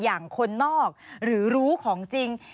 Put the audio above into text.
อย่างคนนอกหรือรู้ของจริง